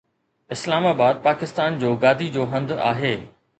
اسلام آباد پاڪستان جو گادي جو هنڌ آهي.